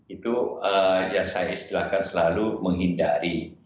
itu yang saya istilahkan selalu menghindari